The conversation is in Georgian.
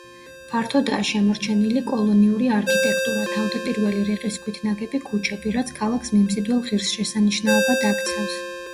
ფართოდაა შემორჩენილი კოლონიური არქიტექტურა, თავდაპირველი რიყის ქვით ნაგები ქუჩები, რაც ქალაქს მიმზიდველ ღირსშესანიშნაობად აქცევს.